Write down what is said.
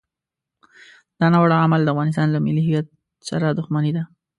دا ناوړه عمل د افغانستان له ملي هویت سره دښمني ده.